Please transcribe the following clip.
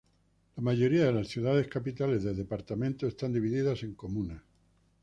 La mayoría de las ciudades capitales de departamentos están divididas en comunas.